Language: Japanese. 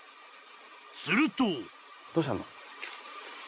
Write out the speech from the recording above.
［すると］